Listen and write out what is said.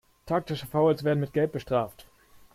Taktische Fouls werden mit Gelb bestraft.